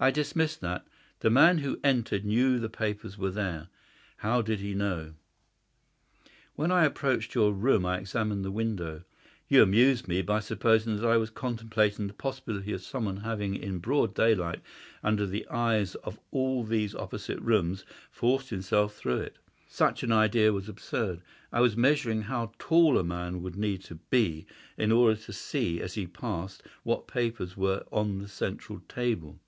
I dismissed that. The man who entered knew that the papers were there. How did he know? "When I approached your room I examined the window. You amused me by supposing that I was contemplating the possibility of someone having in broad daylight, under the eyes of all these opposite rooms, forced himself through it. Such an idea was absurd. I was measuring how tall a man would need to be in order to see as he passed what papers were on the central table.